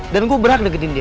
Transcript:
dan gue berhak deketin dia